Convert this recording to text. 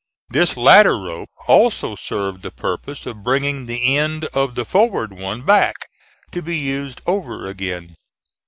This latter rope also served the purpose of bringing the end of the forward one back, to be used over again.